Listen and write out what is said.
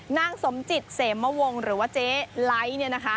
นางสมจิตเสมวงหรือว่าเจ๊ไลค์เนี่ยนะคะ